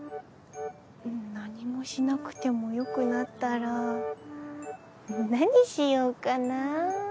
何もしなくてもよくなったら何しようかな。